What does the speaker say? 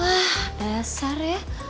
ah dasar ya